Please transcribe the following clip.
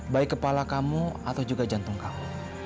baik kepala kamu atau juga jantung kamu